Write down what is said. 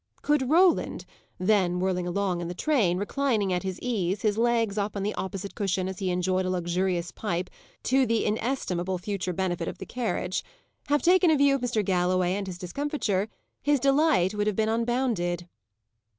Could Roland then whirling along in the train, reclining at his ease, his legs up on the opposite cushion as he enjoyed a luxurious pipe, to the inestimable future benefit of the carriage have taken a view of Mr. Galloway and his discomfiture, his delight would have been unbounded.